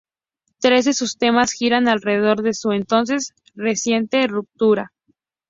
Tres de sus temas giran alrededor de su entonces reciente ruptura.